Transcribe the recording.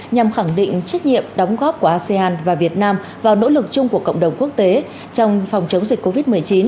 nhằm khẳng định trách nhiệm đóng góp của asean và việt nam vào nỗ lực chung của cộng đồng quốc tế trong phòng chống dịch covid một mươi chín